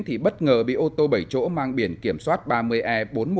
thì bất ngờ bị ô tô bảy chỗ mang biển kiểm soát ba mươi e bốn mươi một nghìn ba trăm tám mươi hai